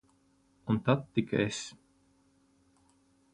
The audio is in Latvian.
Un tad tik es.